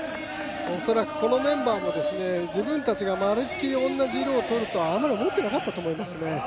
恐らくこのメンバーも自分たちがまるきり同じ色を取るとはあまり思ってなかったと思いますね。